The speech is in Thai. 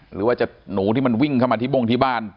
หรือว่าจะหนูที่มันวิ่งเข้ามาที่บ้งที่บ้าน